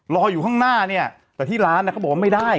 รออยู่ข้างหน้าแต่ที่ร้านเขาบอกว่าไม่ได้